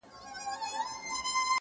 چا له وهمه ورته سپوڼ نه سو وهلای،